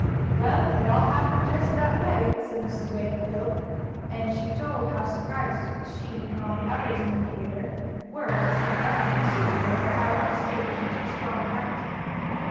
"Well, it all happened, just that way," said Mrs. Wakefield, and she told how surprised she, and all the others in the theatre were to see Bunny and Sue wander out on the stage into the strong light.